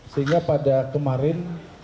sehingga pada kemarin